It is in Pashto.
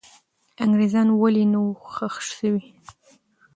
انګریزان ولې نه وو ښخ سوي؟